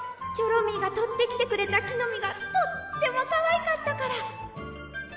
チョロミーがとってきてくれたきのみがとってもかわいかったから！